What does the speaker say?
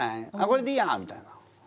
これでいいや」みたいな。